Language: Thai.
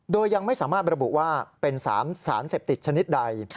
โดยยังไม่สามารถระบุว่าเป็นสารเสพติดชนิดใด